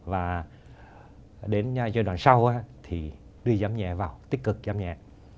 và đến giai đoạn sau thì đưa giảm nhẹ vào tích cực giảm nhẹ